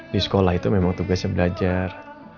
di sekolah itu memang tugasnya belajar